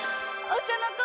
お茶の子